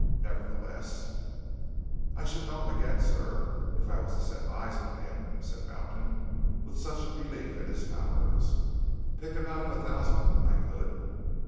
Nevertheless "I should know him again, sir, if I was to set eyes on him!" said Mountain, with such belief in his powers. "Pick him out of a thousand, I could!"